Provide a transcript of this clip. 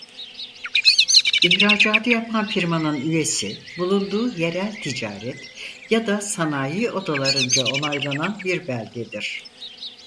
İhracatı yapan firmanın üyesi bulunduğu yerel ticaret ya da sanayi odalarınca onaylanan bir belgedir.